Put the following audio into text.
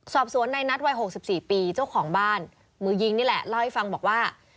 สอบสวนในนัดวัย๖๔ปีเจ้าของบ้านมือยิงนี่แหละเล่าให้ฟังบอกว่า